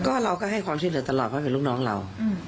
ก็เราก็ให้ความช่วยเหลือตลอดเพราะเป็นลูกน้องเรา